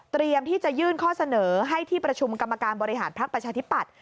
ที่จะยื่นข้อเสนอให้ที่ประชุมกรรมการบริหารพักประชาธิปัตย